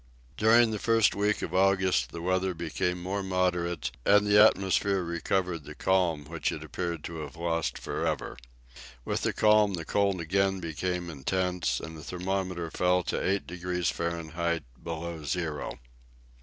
During the first week of the month of August the weather became more moderate, and the atmosphere recovered the calm which it appeared to have lost forever. With the calm the cold again became intense, and the thermometer fell to eight degrees Fahrenheit, below zero.